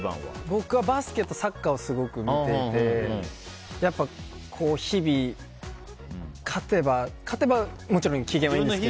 僕はバスケとサッカーをすごく見ていて日々、勝てばもちろん機嫌いいんですけど。